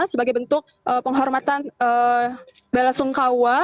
sebagai bentuk penghormatan bela sungkawa